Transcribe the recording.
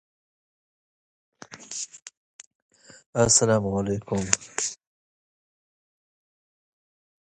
She mixed up geese and ducks, which is also plausible.